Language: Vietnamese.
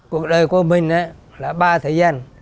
cuộc đời của mình là ba thời gian